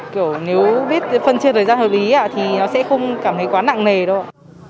kiểu nếu biết phân chia thời gian hợp lý thì nó sẽ không cảm thấy quá nặng nề đâu